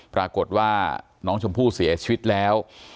ปรากฏว่าน้องชมพู่เสียชีวิตแล้ว